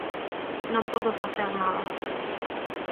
Non podo facer nada.